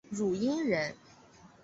汝阴人。